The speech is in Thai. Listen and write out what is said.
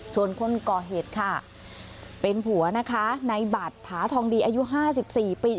ส่วนคนก่อเหตุค่ะเป็นผัวนะคะในบัตรผาทองดีอายุ๕๔ปี